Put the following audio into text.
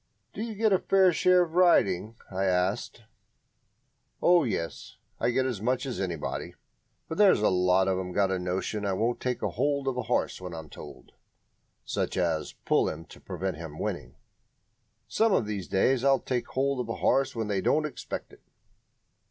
"Do you get a fair share of the riding?" I asked. "Oh, yes; I get as much as anybody. But there's a lot of 'em got a notion I won't take hold of a horse when I'm told (i.e., pull him to prevent him winning). Some of these days I'll take hold of a horse when they don't expect it."